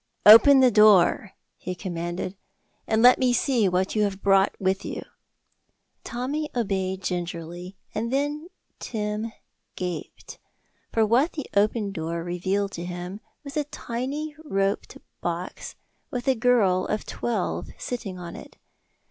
"Open the door," he commanded, "and let me see what you have brought with you." Tommy obeyed gingerly, and then Pym gaped, for what the open door revealed to him was a tiny roped box with a girl of twelve sitting on it.